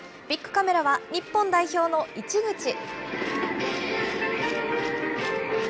ビックカメラは日本代表の市口。